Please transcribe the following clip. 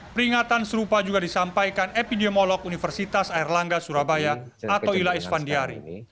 peringatan serupa juga disampaikan epidemiolog universitas air langga surabaya ato ila isfandiari